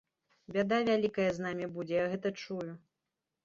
Бяда вялікая з намі будзе, я гэта чую.